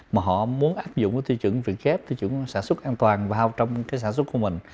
mà họ muốn áp dụng cái tiêu chuẩn việt gáp tiêu chuẩn sản xuất an toàn vào trong cái sản xuất của mình